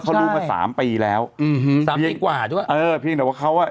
เขารู้มาสามปีแล้วอืมสามปีกว่าด้วยเออเพียงแต่ว่าเขาอ่ะ